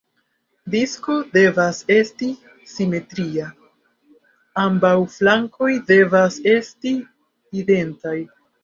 Disko devas esti simetria; ambaŭ flankoj devas esti identaj.